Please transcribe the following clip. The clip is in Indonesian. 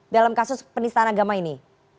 dalam kasus penistaan agama ini